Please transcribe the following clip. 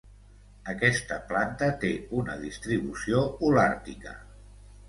Aquesta planta té una distribució holàrtica.